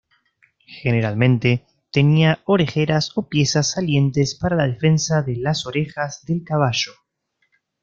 Generalmente tenía orejeras o piezas salientes para la defensa de las orejas del caballo.